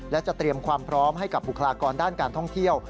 และจะเตรียมความพร้อมให้กับบุคลากรด้านการท่องเที่ยว